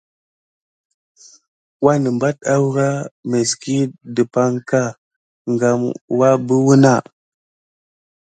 Wanəmbat awrah miyzkit dupanka kam wabé wuna.